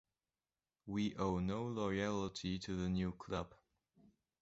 We owe no loyalty to the new club.